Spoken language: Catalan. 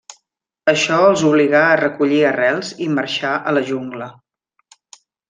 Això els obligà a recollir arrels i marxar a la jungla.